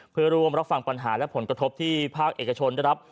เพื่อร่วมรับฟังปัญหาและผลกระทบที่ภาคเอกชนได้รับ